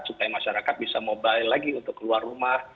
supaya masyarakat bisa mobile lagi untuk keluar rumah